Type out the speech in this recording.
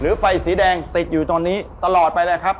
ไฟสีแดงติดอยู่ตอนนี้ตลอดไปนะครับ